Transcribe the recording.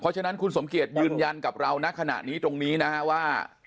ฉะนั้นคุณสมเกียจยืนยันกับเรานะขณะนี้ตรงนี้นะฮะว่า